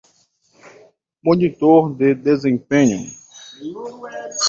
Monitor de desempenho